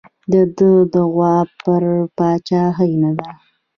د ده دعوا پر پاچاهۍ نه ده.